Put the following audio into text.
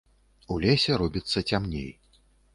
У лесе робіцца цямней.